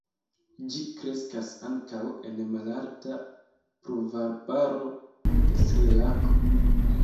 Ĝi kreskas ankaŭ en malalta pluvarbaro de Srilanko.